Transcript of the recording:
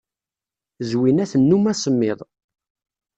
Zwina tennum asemmiḍ.